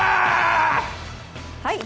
はい！